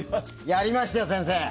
やりましたよ、先生！